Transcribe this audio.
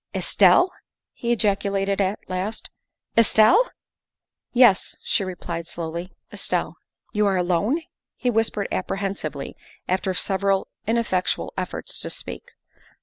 " Estelle?" he ejaculated at last, " Estelle?" " Yes," she replied slowly, " Estelle." '' You are alone ?" he whispered apprehensively, after several ineffectual efforts to speak.